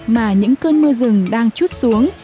mà những cơn mưa rừng đang chút xuống